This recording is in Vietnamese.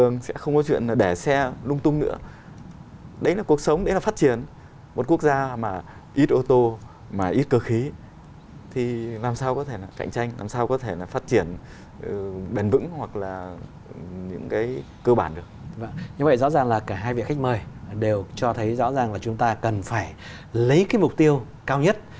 như vậy rõ ràng là cả hai vị khách mời đều cho thấy rõ ràng là chúng ta cần phải lấy cái mục tiêu cao nhất